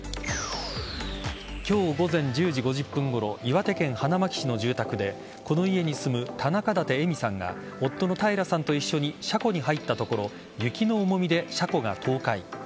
今日午前１０時５０分ごろ岩手県花巻市の住宅でこの家に住む田中舘恵美さんが夫の平さんと一緒に車庫に入ったところ雪の重みで車庫が倒壊。